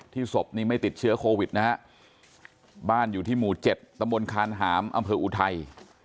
ศพนี้ไม่ติดเชื้อโควิดนะฮะบ้านอยู่ที่หมู่๗ตำบลคานหามอำเภออุทัย